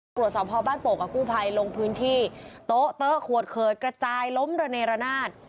ตรวจสอบพอบ้านโปกกับกู้ภัยลงพื้นที่โต๊ะเต๊ะขวดเขิดกระจายล้มระเนรนาศ